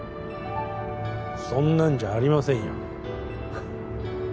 そんなんじゃありませんよ